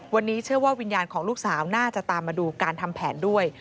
วันนี้เชื่อว่าวิญญาณของลูกสาวน่าจะตามมาดูการทำแผนด้วย